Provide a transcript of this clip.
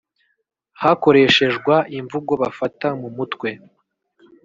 hakoreshejwa imvugo bafata mu mutwe,